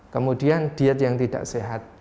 kemudian diet yang tidak sehat